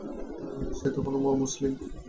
সে তখনো অমুসলিম।